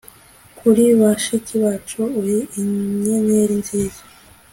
kuri bashiki bacu, uri inyenyeri nziza